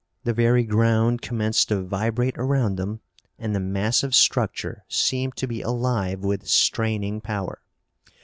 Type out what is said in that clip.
The very ground commenced to vibrate around them and the massive structure seemed to be alive with straining power.